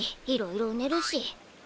いろいろうねるし。